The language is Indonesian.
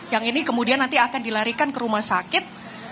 yang ini kemudian nanti akan dilarikan ke rumah sakit